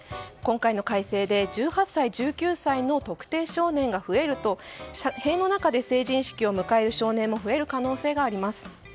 今回の改正で１８歳、１９歳の特定少年が増えると塀の中で成人式を迎える少年も増える可能性があります。